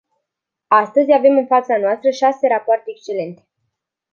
Astăzi avem în fața noastră șase rapoarte excelente.